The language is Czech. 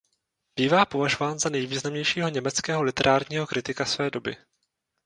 Bývá považován za nejvýznamnějšího německého literárního kritika své doby.